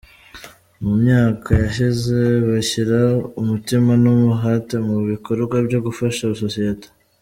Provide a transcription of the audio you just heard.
Mu myaka yashize bashyira umutima n’umuhate mu bikorwa byo gufasha sosiyete.